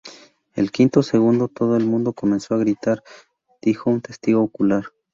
En el quinto segundo, todo el mundo comenzó a gritar", dijo un testigo ocular.